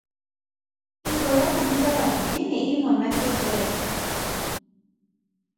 Tiro ya borutabana e ne e mo natefela.